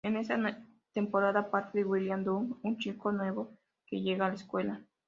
En esta temporada aparece William Dunbar, un chico nuevo que llega a la escuela.